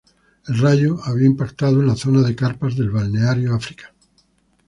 El rayo había impactado en la zona de carpas del Balneario Afrika.